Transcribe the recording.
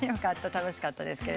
楽しかったです。